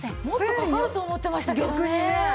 もっとかかると思ってましたけどね。